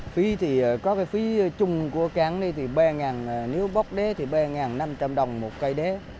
phí thì có cái phí chung của cáng này thì ba ngàn nếu bóc đế thì ba ngàn năm trăm linh đồng một cây đế